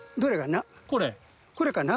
これかな？